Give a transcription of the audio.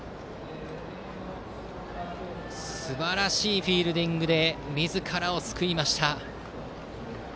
すばらしいフィールディングでみずからを救いました。